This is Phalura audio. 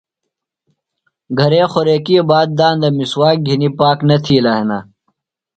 گھرے خوریکیۡ باد داندہ مِسواک گِھنیۡ پاک نہ تِھیلہ ہِنہ۔